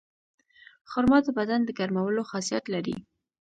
خرما د بدن د ګرمولو خاصیت لري.